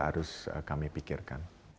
harus kami pikirkan